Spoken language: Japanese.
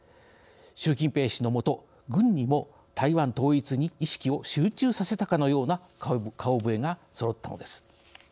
習近平氏の下軍にも台湾統一に意識を集中させたかのような顔ぶれがそろったのです。